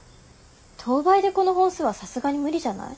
等倍でこの本数はさすがに無理じゃない？